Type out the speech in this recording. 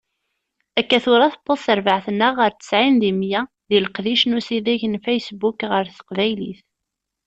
Akka tura tewweḍ terbaɛt-nneɣ ɣer tesɛin di meyya deg leqdic n usideg n Facebook ɣer teqbaylit.